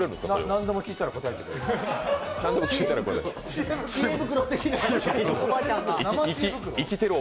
何でも聞いたら答えてくれる。